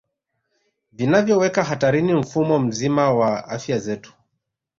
Vinavyoweka hatarini mfumo mzima wa afya zetu